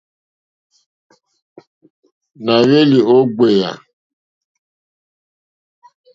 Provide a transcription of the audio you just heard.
Nà hwélì ó ɡbèyà.